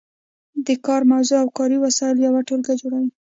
د کار موضوع او کاري وسایل یوه ټولګه جوړوي.